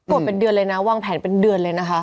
เป็นเดือนเลยนะวางแผนเป็นเดือนเลยนะคะ